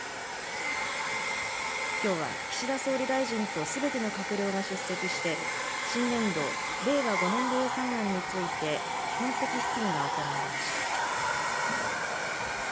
きょうは岸田総理大臣とすべての閣僚が出席して、新年度・令和５年度予算案について、基本的質疑が行われました。